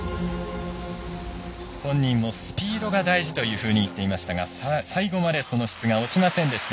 本人もスピードが大事と言っていましたが最後までその質が落ちませんでした。